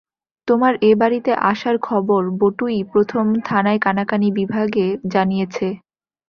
তোমার এ-বাড়িতে আসার খবর বটুই প্রথম থানায় কানাকানি-বিভাগে জানিয়েছে।